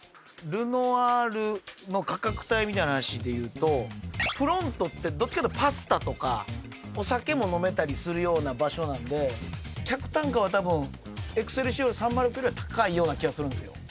ルノアールの価格帯みたいな話で言うとプロントってどっちか言うとパスタとかお酒も飲めたりするような場所なんで客単価は多分エクセルシオールサンマルクよりは高いような気はするんすよ